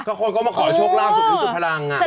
ก็คลุกก็มาขอเชิกรหาสุขสุดพลัง